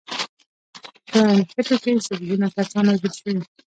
په نښتو کې سلګونه کسان وژل شوي